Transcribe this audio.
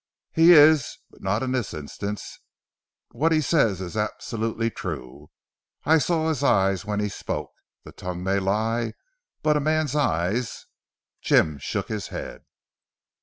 He is, but not in this instance. What he says is absolutely true. I saw his eyes when he spoke. The tongue may lie, but a man's eyes " Jim shook his head.